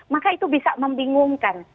maka itu bisa membingungkan